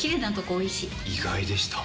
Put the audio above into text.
意外でした。